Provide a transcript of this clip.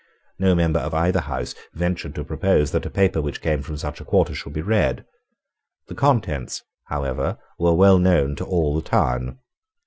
No member of either House ventured to propose that a paper which came from such a quarter should be read. The contents, however, were well known to all the town.